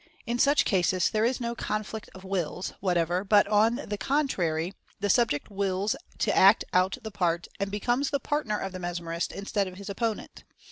In such cases there is no "conflict of wills" what ever, but, on the contrary, the subject wills to act out the part and becomes the partner of the mesmerist, in stead of his opponent.